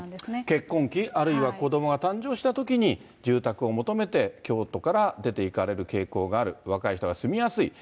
結婚期、あるいは子どもが誕生したときに、住宅を求めて京都から出ていかれる傾向がある。